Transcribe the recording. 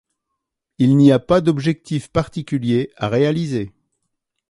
Il n'y a pas d'objectifs particuliers à réaliser.